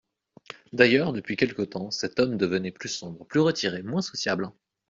D'ailleurs, depuis quelque temps, cet homme devenait plus sombre, plus retiré, moins sociable.